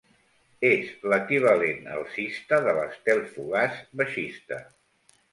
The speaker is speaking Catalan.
És l'equivalent alcista de l'estel fugaç baixista.